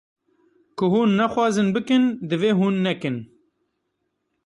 Ku hûn nexwazin bikin, divê hûn nekin.